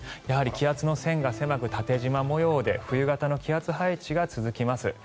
やはり気圧の線が狭く縦じま模様で冬型の気圧配置が続きます。